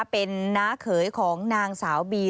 เป็นน้าเขยของนางสาวบี